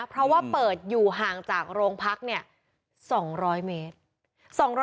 เพราะว่าเปิดอยู่ห่างจากโรงพัก๒๐๐เมตร